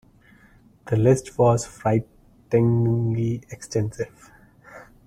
The list was frighteningly extensive.